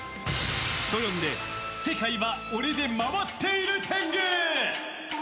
人呼んで世界は俺で回っている天狗。